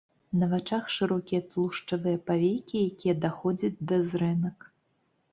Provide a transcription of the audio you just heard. На вачах шырокія тлушчавыя павекі, якія даходзяць да зрэнак.